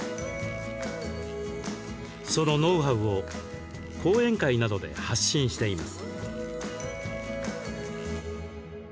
そのノウハウを講演会などで発信しています。